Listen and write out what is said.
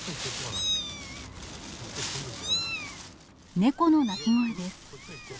猫の鳴き声です。